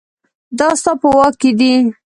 دا ستا په واک کې دي